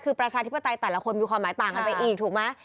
คือประชาธิปไตยแต่ละคนมีความหมายต่างกันไปอีกถูกไหม